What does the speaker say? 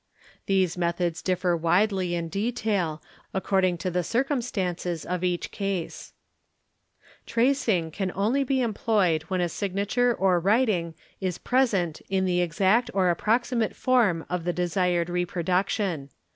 These methods differ widely in detail, according to the circumstances of each cases. _ Tracing can only be employed when a signature or writing is present in the exact or approximate form of the desired reproduction.